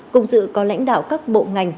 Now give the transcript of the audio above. cùng dự có lãnh đạo các bộ ngành